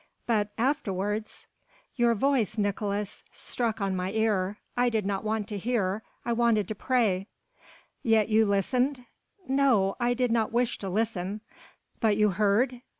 "But ... afterwards...?" "Your voice, Nicolaes, struck on my ear. I did not want to hear. I wanted to pray." "Yet you listened?" "No. I did not wish to listen." "But you heard?"